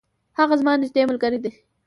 هغه زما نیږدي ملګری دی.